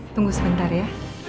tunggu sebentar ya